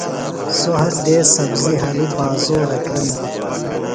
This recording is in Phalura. سوۡ ہر دیس سبزیۡ ہریۡ بازورہ کِرنہ دےۡ۔